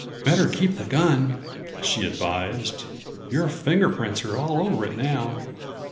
"Better keep the gun," she advised. "Your fingerprints are all over it now.